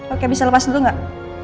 oke bisa lepas dulu nggak